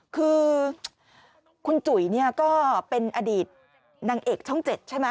คือคุณจุ๋ยเนี่ยก็เป็นอดีตนางเอกช่อง๗ใช่ไหม